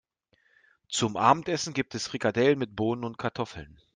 Zum Abendessen gibt es Frikadellen mit Bohnen und Kartoffeln.